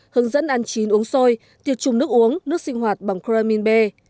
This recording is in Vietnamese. hướng dẫn ăn chín uống xôi tiêu chung nước uống nước sinh hoạt bằng cloramin b